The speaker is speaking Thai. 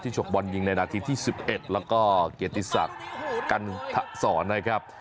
ที่ชกบอลยิงในนาทีที่สิบเอ็ดแล้วก็เกียรติศัตริย์กันทสอนนะครับ